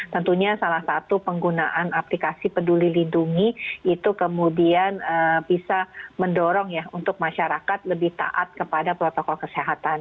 tentunya salah satu penggunaan aplikasi peduli lindungi itu kemudian bisa mendorong ya untuk masyarakat lebih taat kepada protokol kesehatan